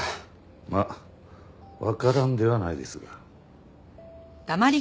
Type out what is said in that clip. まあわからんではないですが。